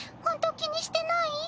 ほんと気にしてない？